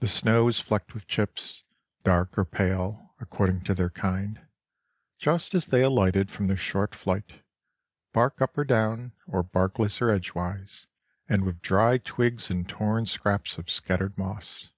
The snow is flecked with chips, dark or pale according to their kind, just as they alighted from their short flight, bark up or down or barkless or edgewise, and with dry twigs and torn scraps of scattered moss.